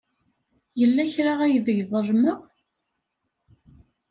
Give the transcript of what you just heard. Yella kra aydeg ḍelmeɣ?